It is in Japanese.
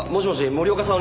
森岡さん